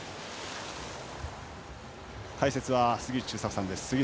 解説は杉内周作さんです。